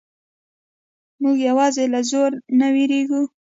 موږ یوازې له زور نه وېریږو.